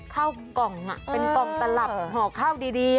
ข้าวกล่องเป็นกล่องตลับห่อข้าวดี